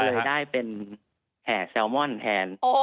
เลยได้เป็นแห่แซลมอนแทน